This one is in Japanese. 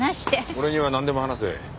俺にはなんでも話せ。